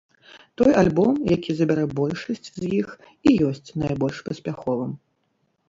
Той альбом, які забярэ большасць з іх, і ёсць найбольш паспяховым.